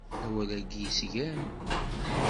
Awal-agi yesgan.